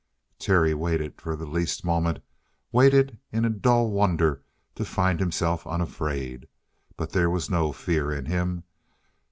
Terry waited for the least moment waited in a dull wonder to find himself unafraid. But there was no fear in him.